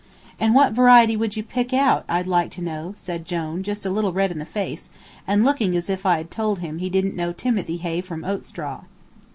"And what variety would you pick out, I'd like to know?" said Jone, just a little red in the face, and looking as if I had told him he didn't know timothy hay from oat straw.